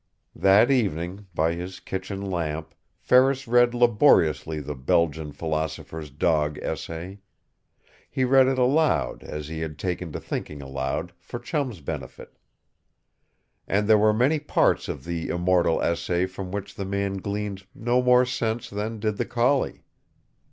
That evening, by his kitchen lamp, Ferris read laboriously the Belgian philosopher's dog essay. He read it aloud as he had taken to thinking aloud for Chum's benefit. And there were many parts of the immortal essay from which the man gleaned no more sense than did the collie.